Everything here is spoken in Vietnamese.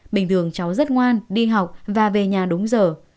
bình thường cháu rất ngoan đi học và về nhà đúng giờ